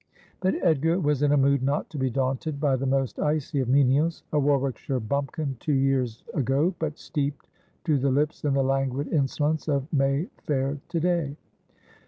But Edgar was in a mood not to be daunted by the most icy 232 Asphodel. of menials — a Warwickshire bumpkin two years ago, but steeped to the lips in the languid insolence of May Fair to day.